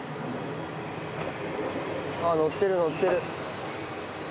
ああ乗ってる乗ってる。